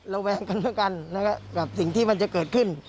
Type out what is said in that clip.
แวงกันด้วยกันนะครับกับสิ่งที่มันจะเกิดขึ้น